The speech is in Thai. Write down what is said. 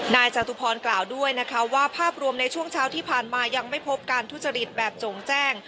จตุพรกล่าวด้วยนะคะว่าภาพรวมในช่วงเช้าที่ผ่านมายังไม่พบการทุจริตแบบโจ่งแจ้ง